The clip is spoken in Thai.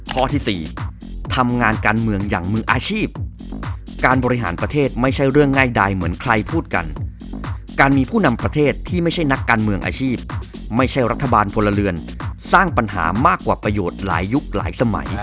ที่๔ทำงานการเมืองอย่างมืออาชีพการบริหารประเทศไม่ใช่เรื่องง่ายดายเหมือนใครพูดกันการมีผู้นำประเทศที่ไม่ใช่นักการเมืองอาชีพไม่ใช่รัฐบาลพลเรือนสร้างปัญหามากกว่าประโยชน์หลายยุคหลายสมัย